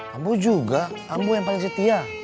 ambu juga ambu yang paling setia